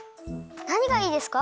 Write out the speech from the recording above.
なにがいいですか？